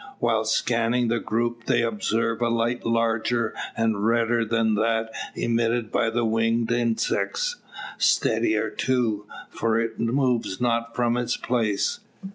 While scanning the group, they observe a light larger and redder than that emitted by the winged insects. Steadier too; for it moves not from its place.